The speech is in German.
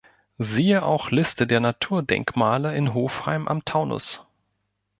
Siehe auch Liste der Naturdenkmale in Hofheim am Taunus.